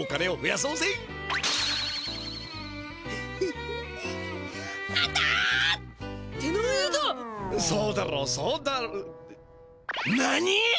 そうだろうそうだなに！？